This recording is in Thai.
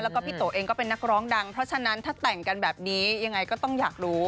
แล้วก็พี่โตเองก็เป็นนักร้องดังเพราะฉะนั้นถ้าแต่งกันแบบนี้ยังไงก็ต้องอยากรู้